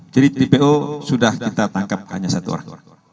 jadi di po sudah kita tangkap hanya satu orang